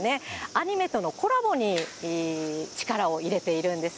アニメとのコラボに力を入れているんです。